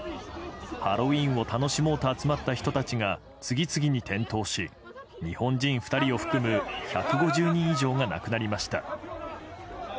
ハロウィーンを楽しもうと集まった人たちが次々に転倒し、日本人２人を含む１５０人以上が亡くなりました。